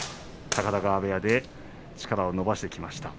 高田川部屋で力を伸ばしてきました。